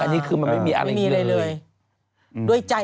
อันนี้คือมันไม่มีอะไรเลย